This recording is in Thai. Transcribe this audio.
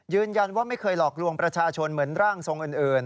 ไม่เคยหลอกลวงประชาชนเหมือนร่างทรงอื่น